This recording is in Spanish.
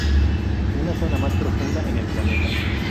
Una zona más profunda en el planeta.